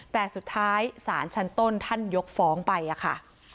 แต่สุดท้ายศาลชั้นต้นท่านยกฟ้องไปค่ะ